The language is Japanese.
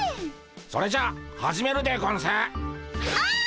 それじゃ始めるでゴンス。